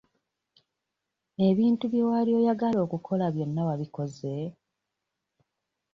Ebintu bye wali oyagala okukola byonna wabikoze?